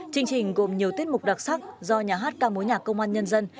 chương trình gồm nhiều tiết mục đặc sắc do nhà hát ca mối nhạc công an nhân dân